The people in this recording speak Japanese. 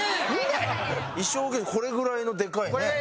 これぐらいのでかいね。